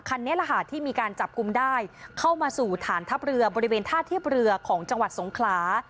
คันนี้แหละค่ะที่มีการจับกลุ่มได้เข้ามาสู่ฐานทัพเรือบริเวณท่าเทียบเรือของจังหวัดสงขลา